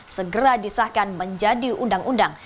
segera disahkan menjadi undang undang